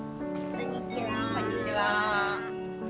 こんにちは。